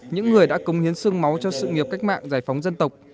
những người đã công hiến sương máu cho sự nghiệp cách mạng giải phóng dân tộc